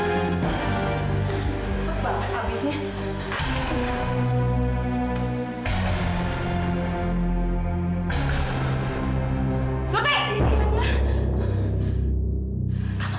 siapa yang suruh kamu masuk ke ruangan kerja tuan